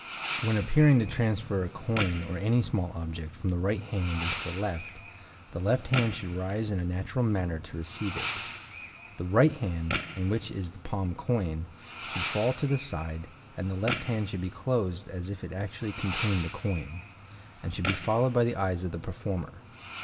When appearing to transfer a coin, or any small object, from the right hand into the left, the left hand should rise in a natural manner to receive it. The right hand, in which is the palmed coin, should fall to the side; and the left hand should be closed as if it actually contained the coin, and should be followed by the eyes of the performer.